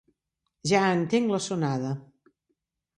Ja entenc la sonada.